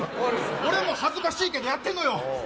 俺も恥ずかしいけどやってんねん。